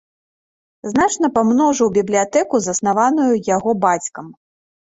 Значна памножыў бібліятэку, заснаваную яго бацькам.